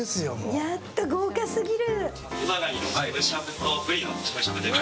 やった、豪華すぎる！